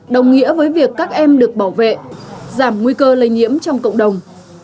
đồng nghĩa với việc các em được bảo vệ giảm nguy cơ lây nhiễm trong cộng đồng